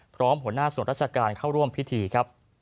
หัวหน้าส่วนราชการเข้าร่วมพิธีครับ